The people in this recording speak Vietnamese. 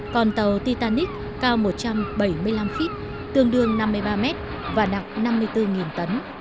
còn tàu titanic cao một trăm bảy mươi năm feet tương đương năm mươi ba mét và nặng năm mươi bốn tấn